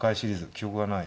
記憶がない。